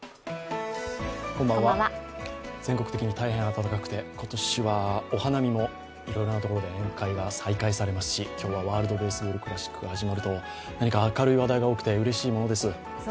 全国的に大変暖かくて今年はお花見もいろいろなところで宴会が再開されますし、今日はワールド・ベースボール・クラシックが始まる、何か明るい話題が多くてうれしいものです。